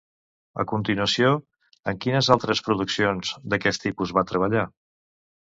A continuació, en quines altres produccions d'aquest tipus va treballar?